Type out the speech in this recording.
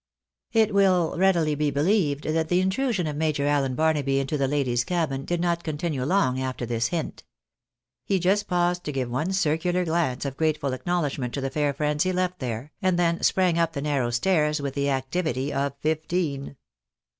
It wiU readUy be believed that the intrusion of Major Allen Barnaby into the ladies' cabin, did not continue long after this hint. He just paused to give one circular glance of grateful acknowledgment to the fair friends he left there, and then sprang up the narrow stairs with the activity of fifteen.